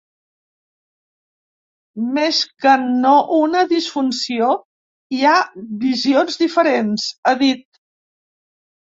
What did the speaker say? “Més que no una disfunció, hi ha visions diferents”, ha dit.